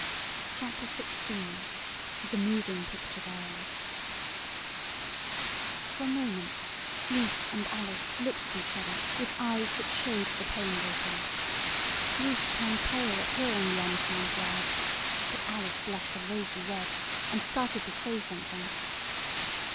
CHAPTER XVI THE MOVING PICTURE GIRLS For a moment Ruth and Alice looked at each other with eyes that showed the pain they felt. Ruth turned pale at hearing the unkind words, but Alice blushed a rosy red, and started to say something.